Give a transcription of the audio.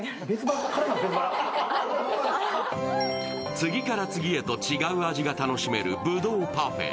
次から次へと違う味が楽しめるブドウパフェ。